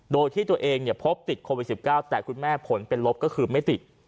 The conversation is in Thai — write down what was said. โดยที่ตัวเองพบติดโควิด๑๙แต่คุณแม่ผลเป็นลบก็คือไม่ติด